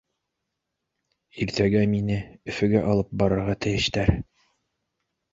Иртәгә мине Өфөгә алып барырға тейештәр.